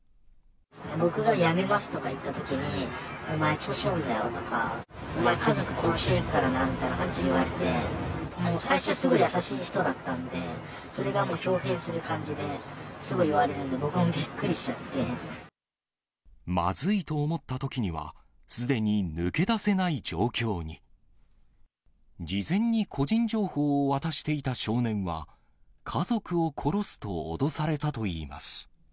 僕がやめますとか言ったときに、お前調子乗んなよとか、お前、家族殺しに行くからなみたいな感じで言われて、もう最初すごい優しい人だったんで、それがもう、ひょう変する感じで、すごい言われるんで、僕もびっくまずいと思ったときには、すでに抜け出せない状況に。事前に個人情報を渡していた少年は、家族を殺すと脅されたといいます。